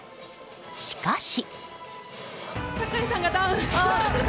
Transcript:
しかし。